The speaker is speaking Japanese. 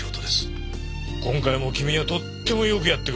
今回も君はとってもよくやってくれたんだ。